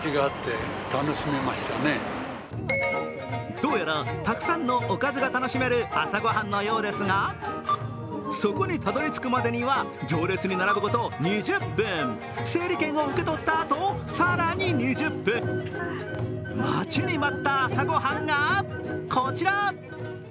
どうやら、たくさんのおかずが楽しめる朝ご飯のようですがそこにたどり着くまでには行列に並ぶこと２０分整理券を受け取ったあと、更に２０分待ちに待った朝ご飯が、こちら。